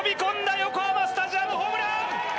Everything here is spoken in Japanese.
横浜スタジアムホームラン！